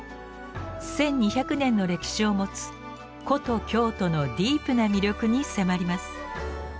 １，２００年の歴史を持つ古都・京都のディープな魅力に迫ります。